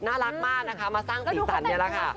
น่ารักมากนะคะมาสร้างสีสันนี่แหละค่ะ